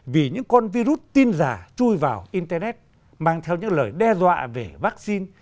vì những con virus tin giả chui vào internet mang theo những lời đe dọa về vaccine